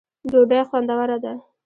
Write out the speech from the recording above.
ډوډۍ خوندوره ده